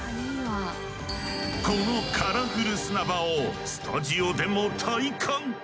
このカラフル砂場をスタジオでも体感。